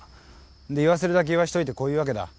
で言わせるだけ言わせといてこう言うわけだ。